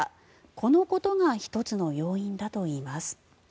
このことが１つの要因だといいます。